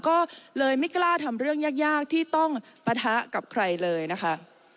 ก็เลยไม่กล้าทำเรื่องยากที่ต้องปะทะกับใครเลยนะคะ